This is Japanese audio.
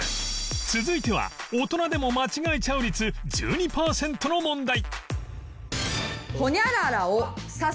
続いては大人でも間違えちゃう率１２パーセントの問題